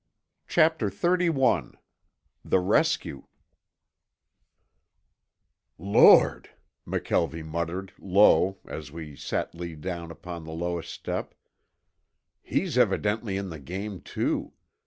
CHAPTER XXXI THE RESCUE "Lord," McKelvie muttered low, as we set Lee down upon the lowest step. "He's evidently in the game, too.